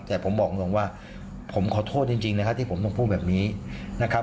แต่ผมบอกตรงว่าผมขอโทษจริงนะครับที่ผมต้องพูดแบบนี้นะครับ